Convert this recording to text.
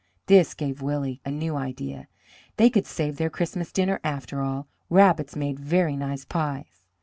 This gave Willie a new idea; they could save their Christmas dinner after all; rabbits made very nice pies.